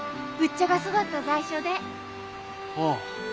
ああ。